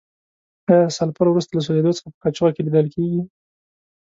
آیا سلفر وروسته له سوځیدو څخه په قاشوغه کې لیدل کیږي؟